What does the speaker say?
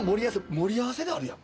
盛り合わせであるやん。